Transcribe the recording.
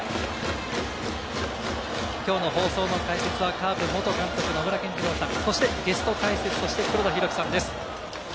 きょうの放送の解説は、カープ元監督の野村謙二郎さん、そしてゲスト解説として黒田博樹さんです。